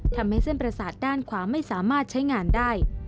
ทำให้เส้นประสาทด้านขวาไม่สามารถใช้งานได้